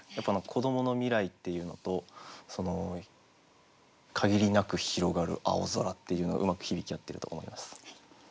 子どもの未来っていうのと限りなく広がる青空っていうのがうまく響き合ってると思います。